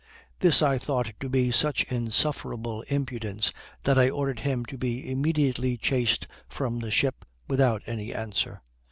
This I thought to be such insufferable impudence that I ordered him to be immediately chased from the ship, without any answer.